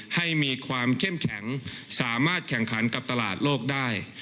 ให้มีความเข้มแข็งสามารถแข่งขันกับตลาดโลกได้